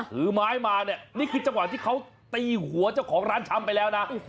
ถือไม้มาเนี่ยนี่คือจังหวะที่เขาตีหัวเจ้าของร้านชำไปแล้วนะ